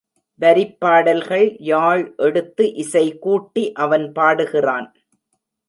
வரிப் பாடல்கள் யாழ் எடுத்து இசை கூட்டி அவன் பாடுகிறான்.